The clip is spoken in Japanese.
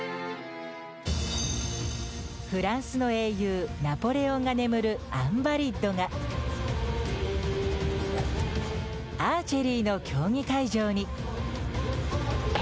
フランスの英雄ナポレオンが眠るアンヴァリッドがアーチェリーの競技会場に。